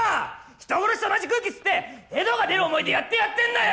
人殺しと同じ空気吸ってヘドが出る思いでやってやってんだよ！